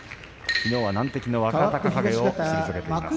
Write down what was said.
きのうは難敵、若隆景を退けています。